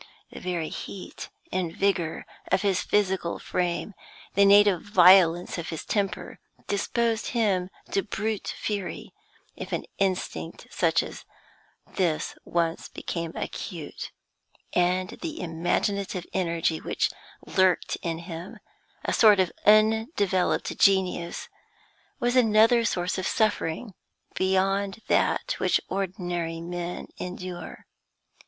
The very heat and vigour of his physical frame, the native violence of his temper, disposed him to brute fury, if an instinct such as this once became acute; and the imaginative energy which lurked in him, a sort of undeveloped genius, was another source of suffering beyond that which ordinary men endure.